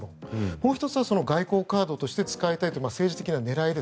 もう１つは外交カードとして使いたいという政治的な狙い